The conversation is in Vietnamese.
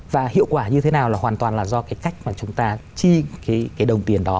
và hiệu quả như thế nào là hoàn toàn là do cái cách mà chúng ta chi cái đồng tiền đó